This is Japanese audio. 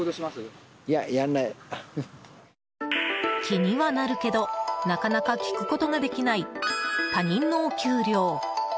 気にはなるけど、なかなか聞くことができない他人のお給料。